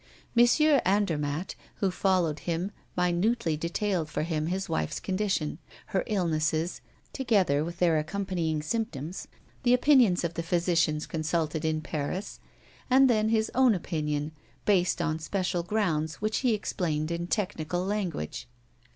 M. Andermatt, who followed him, minutely detailed for him his wife's condition, her illnesses, together with their accompanying symptoms, the opinions of the physicians consulted in Paris, and then his own opinion based on special grounds which he explained in technical language.